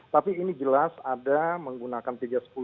tapi ini jelas ada menggunakan tiga ratus sepuluh tiga ratus sebelas